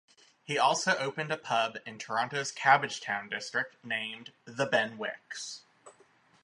He also opened a pub in Toronto's Cabbagetown district named "The Ben Wicks".